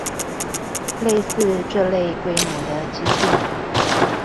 類似這類規模的基地